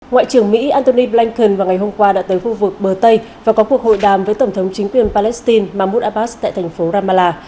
ngoại trưởng mỹ antony blinken vào ngày hôm qua đã tới khu vực bờ tây và có cuộc hội đàm với tổng thống chính quyền palestine mahmoud abbas tại thành phố ramallah